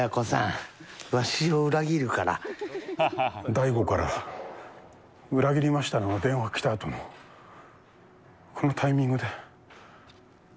大悟から裏切りましたねの電話が来たあとのこのタイミングで。